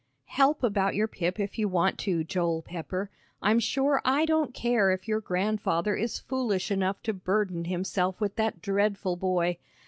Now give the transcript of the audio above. "Help about your Pip if you want to, Joel Pepper. I'm sure I don't care if your Grandfather is foolish enough to burden himself with that dreadful boy.